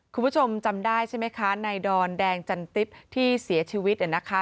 คุณผู้ชมจำได้ใช่ไหมคะในดอนแดงจันติ๊บที่เสียชีวิตเนี่ยนะคะ